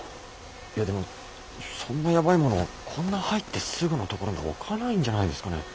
いやでもそんなやばいものをこんな入ってすぐの所に置かないんじゃないですかね？